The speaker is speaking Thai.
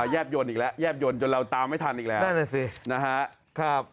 แยบโยนอีกแล้วจนเราตามไม่ทันอีกแล้ว